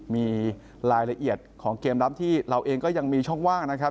มีรายละเอียดของเกมรับที่เราเองก็ยังมีช่องว่างนะครับ